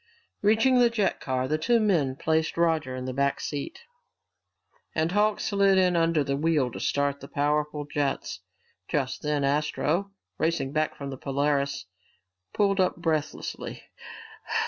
Reaching the jet car, the two men placed Roger in the back seat, and Hawks slid in under the wheel to start the powerful jets. Just then Astro, racing back from the Polaris, pulled up breathlessly.